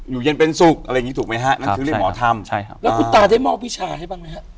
เย็นเป็นสุขอะไรอย่างงี้ถูกไหมฮะนั่นคือเรียกหมอธรรมใช่ครับแล้วคุณตาได้มอบวิชาให้บ้างไหมฮะ